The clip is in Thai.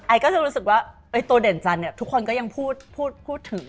ก็จะรู้สึกว่าตัวเด่นจันทร์เนี่ยทุกคนก็ยังพูดถึง